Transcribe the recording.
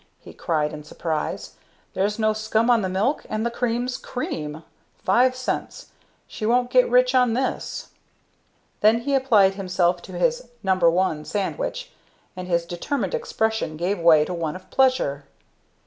he cried in surprise. "There's no scum on the milk, and the cream's cream! Five cents! She won't get rich on this." Then he applied himself to his "No. 1" sandwich, and his determined expression gave way to one of pleasure.